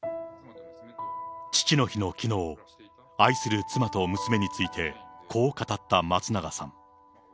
父の日のきのう、愛する妻と娘についてこう語った松永さん。